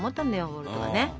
ウォルトはね。